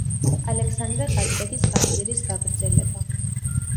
ალექსანდრე ყაზბეგის გამზირის გაგრძელება.